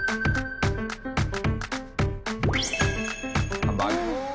ハンバーグ。